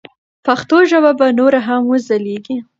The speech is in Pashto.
پښتو ژبه به نوره هم وځلیږي.